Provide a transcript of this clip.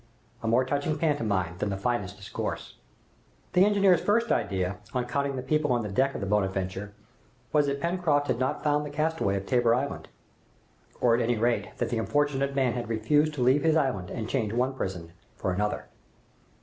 A more touching pantomime than the finest discourse. The engineer's first idea, on counting the people on the deck of the "Bonadventure," was that Pencroft had not found the castaway of Tabor Island, or at any rate that the unfortunate man had refused to leave his island and change one prison for another.